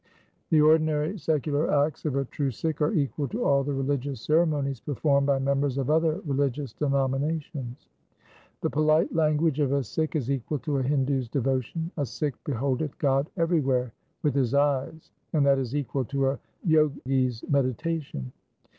1 The ordinary secular acts of a true Sikh are equal to all the religious ceremonies performed by members of other religious denominations :— The polite language of a Sikh is equal to a Hindu's devo tion. A Sikh beholdeth God everywhere with his eyes, and that is equal to a Jogi's meditation.